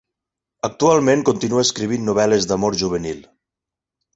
Actualment, continua escrivint novel·les d’amor juvenil.